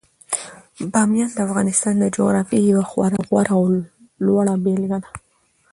بامیان د افغانستان د جغرافیې یوه خورا غوره او لوړه بېلګه ده.